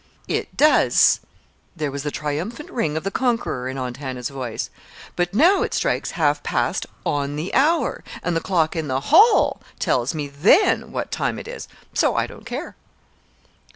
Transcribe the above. "It does." There was the triumphant ring of the conqueror in Aunt Hannah's voice. "But now it strikes half past on the hour, and the clock in the hall tells me then what time it is, so I don't care."